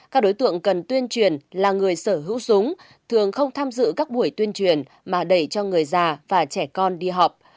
các đối tượng cần tuyên truyền là người sở hữu súng thường không tham dự các buổi tuyên truyền mà đẩy cho người già và trẻ con đi học